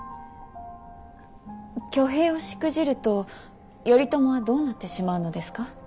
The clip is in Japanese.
挙兵をしくじると頼朝はどうなってしまうのですか。